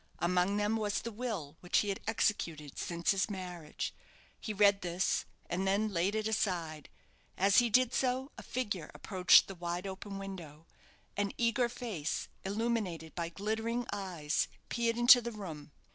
Among them was the will which he had executed since his marriage. He read this, and then laid it aside. As he did so, a figure approached the wide open window; an eager face, illuminated by glittering eyes, peered into the room.